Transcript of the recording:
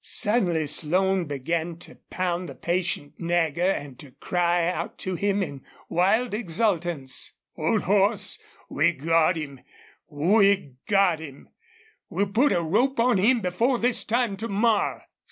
Suddenly Slone began to pound the patient Nagger and to cry out to him in wild exultance. "Old horse, we've got him! ... We've got him! ... We'll put a rope on him before this time to morrow!"